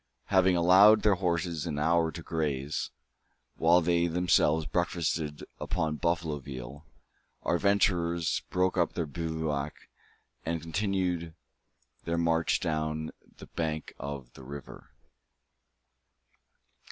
Having allowed their horses an hour to graze, while they themselves breakfasted upon buffalo veal, our adventurers broke up their bivouac, and continued their march down the bank of the river.